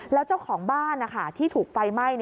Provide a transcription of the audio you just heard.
แล้วเจ้าของบ้านที่ถูกไฟไหม้